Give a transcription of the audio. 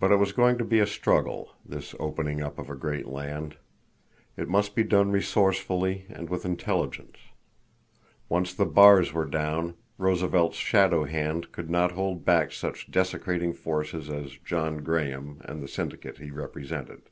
But it was going to be a struggle, this opening up of a great land. It must be done resourcefully and with intelligence. Once the bars were down, Roosevelt's shadow hand could not hold back such desecrating forces as John Graham and the syndicate he represented.